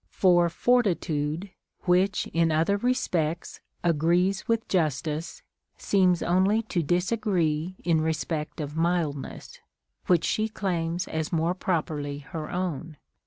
For fortitude, which in other respects agrees with justice, seems only to disagree in respect of mildness, which she claims as more properly her own.